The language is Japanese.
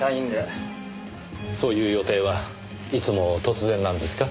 そういう予定はいつも突然なんですか？